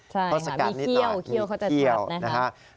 ใช่ค่ะมีเคี้ยวเคี้ยวเขาจะตรับนะครับ